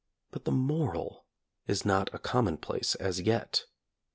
But the moral is not a commonplace as yet.